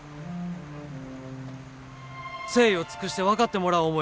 誠意を尽くして分かってもらおう思